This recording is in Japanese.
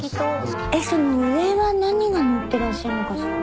えっその上は何が載ってらっしゃるのかしら。